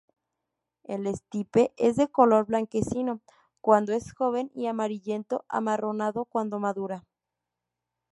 El estipe es de color blanquecino cuando es joven y amarillento amarronado cuando madura.